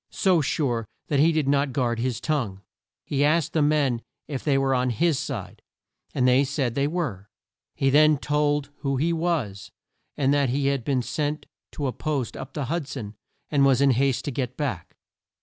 So sure that he did not guard his tongue. He asked the men if they were on his side, and they said they were. He then told who he was, and that he had been sent to a post up the Hud son and was in haste to get back.